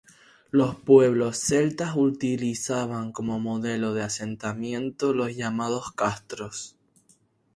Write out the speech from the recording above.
Los pueblos celtas utilizaban como modelo de asentamiento los llamados castros.